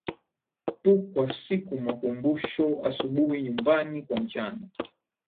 tu kwa siku makumbusho asubuhi nyumbani kwa mchana